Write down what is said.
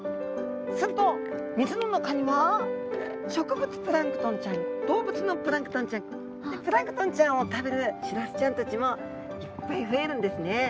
すると水の中には植物プランクトンちゃん動物のプランクトンちゃんでプランクトンちゃんを食べるシラスちゃんたちもいっぱい増えるんですね。